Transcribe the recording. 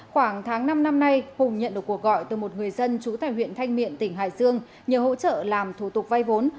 khoảng tháng năm năm nay hùng nhận được cuộc gọi từ một người dân trú tại huyện thanh miện tỉnh hải dương nhờ hỗ trợ làm thủ tục vay vốn